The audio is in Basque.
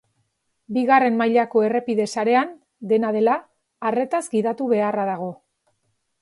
Bigarren mailako errepide sarean, dena dela, arretaz gidatu beharra dago.